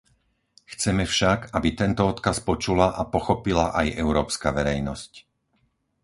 Chceme však, aby tento odkaz počula a pochopila aj európska verejnosť.